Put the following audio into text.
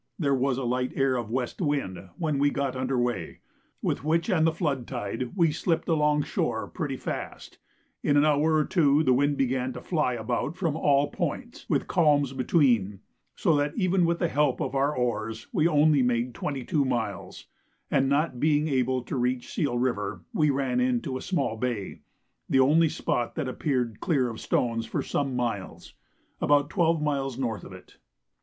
There was a light air of west wind when we got under weigh, with which and the flood tide we slipped alongshore pretty fast. In an hour or two the wind began to fly about from all points, with calms between, so that even with the help of our oars we only made 22 miles; and not being able to reach Seal River, we ran into a small bay the only spot that appeared clear of stones for some miles about 12 miles north of it.